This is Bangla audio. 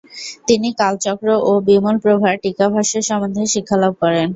তিনি কালচক্র ও বিমলপ্রভা টীকাভাষ্য সম্বন্ধে শিক্ষালাভ করেন।